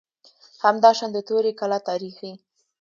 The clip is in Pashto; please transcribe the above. همداشان د توري کلا تاریخي